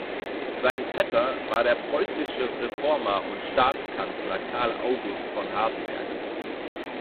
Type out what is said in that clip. Sein Vetter war der preußische Reformer und Staatskanzler Karl August von Hardenberg.